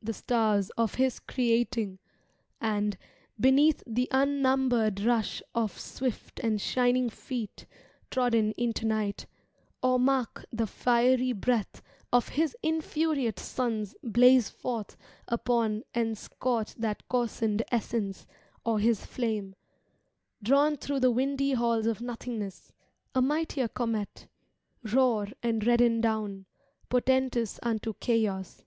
The stars of His creating, and, beneath The unnumbered rush of swift and shining feet, Trodden into night, or mark the fiery breath Of His infuriate suns blaze forth upon And scorch that coarsened Essence, or His flame — Drawn through the windy halls of nothingness, A mightier comet— roar and redden down, Portentous unto Chaos.